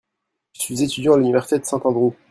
Je suis étudiant à l'université de St. Andrew.